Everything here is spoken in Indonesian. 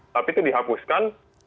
tapi itu dihapuskan